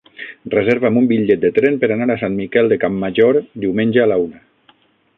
Reserva'm un bitllet de tren per anar a Sant Miquel de Campmajor diumenge a la una.